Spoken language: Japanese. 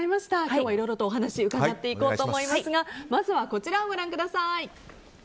今日はいろいろとお話をうかがっていこうと思いますがまずはこちらをご覧ください。